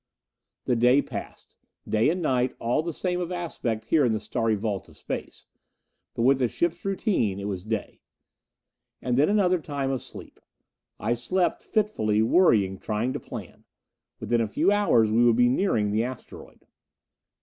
The day passed. Day and night, all the same of aspect here in the starry vault of Space. But with the ship's routine it was day. And then another time of sleep. I slept, fitfully, worrying, trying to plan. Within a few hours we would be nearing the asteroid.